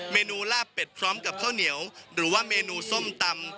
เมนูลาบเป็ดพร้อมกับข้าวเหนียวหรือว่าเมนูส้มตำ